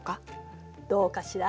どうかしら？